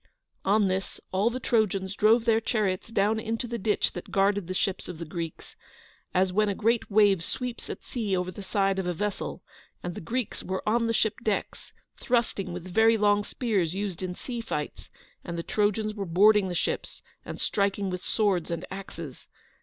On this, all the Trojans drove their chariots down into the ditch that guarded the ships of the Greeks, as when a great wave sweeps at sea over the side of a vessel; and the Greeks were on the ship decks, thrusting with very long spears, used in sea fights, and the Trojans were boarding the ships, and striking with swords and axes.